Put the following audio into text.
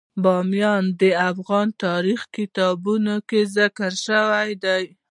بامیان د افغان تاریخ په کتابونو کې ذکر شوی دي.